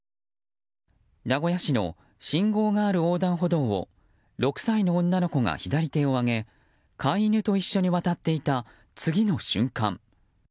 名古屋市の信号がある横断歩道を６歳の女の子が左手を上げ飼い犬と一緒に渡っていた次の瞬間。